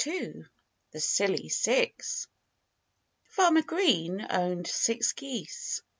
II THE SILLY SIX Farmer Green owned six geese.